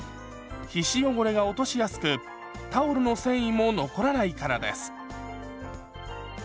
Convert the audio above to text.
皮脂汚れが落としやすくタオルの繊維も残らないからです。